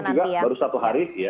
dan itu juga baru satu hari ya